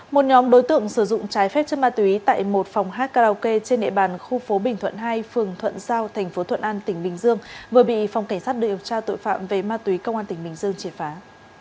một nhóm đối tượng sử dụng trái phép chất ma túy tại một phòng hát karaoke trên địa bàn khu phố bình thuận hai phường thuận giao thành phố thuận an tỉnh bình dương vừa bị phòng cảnh sát điều tra tội phạm về ma túy công an tỉnh bình dương triệt phá